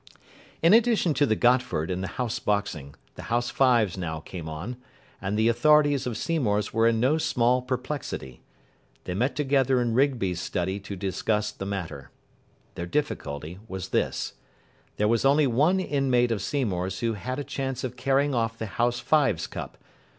In addition to the Gotford and the House Boxing, the House Fives now came on, and the authorities of Seymour's were in no small perplexity. They met together in Rigby's study to discuss the matter. Their difficulty was this. There was only one inmate of Seymour's who had a chance of carrying off the House Fives Cup.